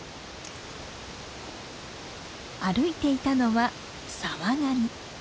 歩いていたのはサワガニ。